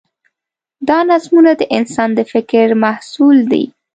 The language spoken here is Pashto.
دا نظمونه د انسان د فکر محصول دي.